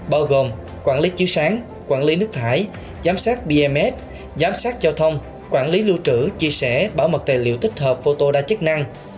bao gồm quản lý chiếu sáng quản lý nước thải giám sát bms giám sát giao thông quản lý lưu trữ chia sẻ bảo mật tài liệu tích hợp photo đa chức năng